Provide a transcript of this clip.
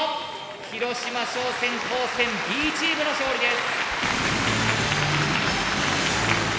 広島商船高専Ｂチームの勝利です。